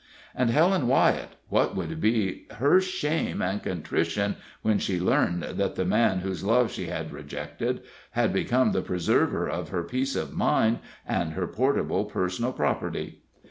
And Helen Wyett what would be her shame and contrition when she learned that the man whose love she had rejected had become the preserver of her peace of mind and her portable personal property?